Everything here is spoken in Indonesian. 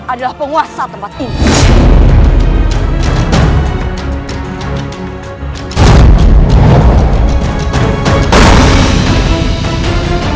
adalah penguasa tempat ini